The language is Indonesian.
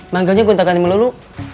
manggalnya gue entahkan melulu